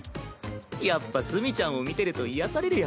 やっぱ墨ちゃんを見てると癒やされるよ。